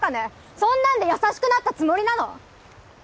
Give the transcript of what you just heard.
そんなんで優しくなったつもりなの？